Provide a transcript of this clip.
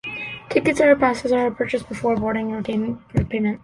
Tickets or passes are purchased before boarding and retained as proof of payment.